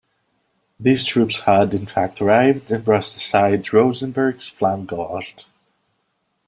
These troops had, in fact, arrived and brushed aside Rosenberg's flank guard.